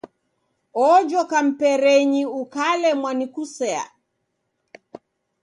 Ojoka mperenyi, ukalemwa ni kusea.